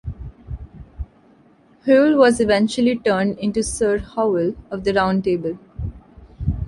Hoel was eventually turned into "Sir Howel" of the Round Table.